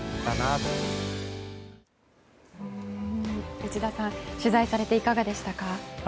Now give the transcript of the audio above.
内田さん、取材されていかがでしたか？